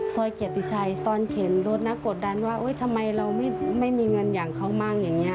ซอยเกียรติชัยตอนเข็นรถนะกดดันว่าทำไมเราไม่มีเงินอย่างเขามั่งอย่างนี้